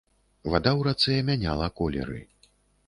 Вада ў рацэ мяняла колеры.